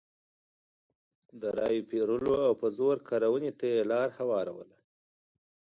د رایو پېرلو او په زور کارونې ته یې لار هواروله.